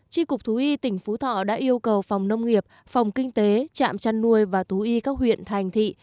tri cục thú y tỉnh phú thọ đã yêu cầu phòng nông nghiệp phòng kinh tế trạm chăn nuôi và thú y các huyện thành thị